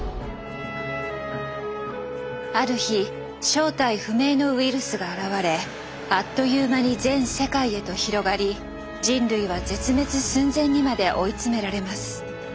ある日正体不明のウイルスが現れあっという間に全世界へと広がり人類は絶滅寸前にまで追い詰められます。